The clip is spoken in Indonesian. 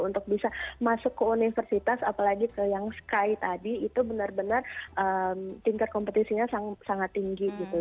untuk bisa masuk ke universitas apalagi ke yang sky tadi itu benar benar tingkat kompetisinya sangat tinggi gitu